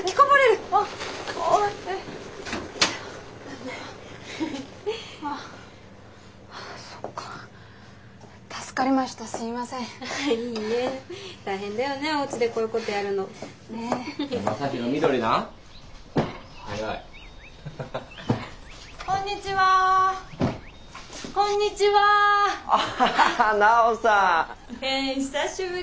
蓮久しぶり。